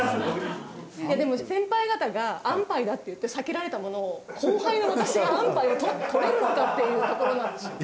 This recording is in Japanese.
でも先輩方が安パイだって言って避けられたものを後輩の私が安パイを取れるのかっていうところなんですよ。